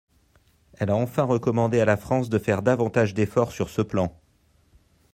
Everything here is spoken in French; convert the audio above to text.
Elle a enfin recommandé à la France de faire davantage d’efforts sur ce plan.